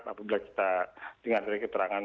apabila kita dengar dari keterangan